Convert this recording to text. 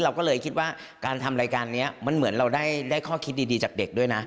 เราก็เลยคิดว่าการทำรายการนี้มันเหมือนเราได้ข้อคิดดีจากเด็กด้วยนะ